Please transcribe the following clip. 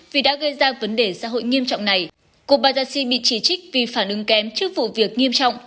vì đã gây ra vấn đề xã hội nghiêm trọng này cô bajashi bị chỉ trích vì phản ứng kém trước vụ việc nghiêm trọng